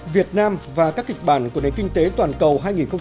việt nam và các kịch bản của đến kinh tế toàn cầu hai nghìn một mươi bảy